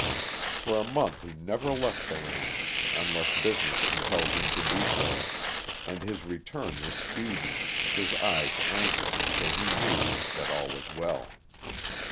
For a month he never left the ranch unless business compelled him to do so, and his return was speedy, his eyes anxious until he knew that all was well.